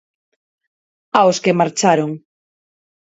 Aos que marcharon.